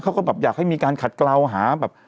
เขาก็แบบอยากให้มีการขัดกล่าวหาแบบ